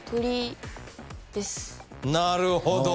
なるほど！